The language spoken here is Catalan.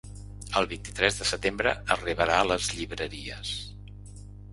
El vint-i-tres de setembre arribarà a les llibreries.